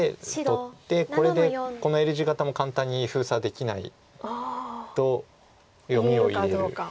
これでこのＬ字型も簡単に封鎖できないと読みを入れる。